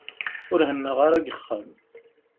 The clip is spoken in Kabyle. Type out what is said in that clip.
Ur hennaɣ ara deg uxxam.